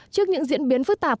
trước những diễn biến phức tạp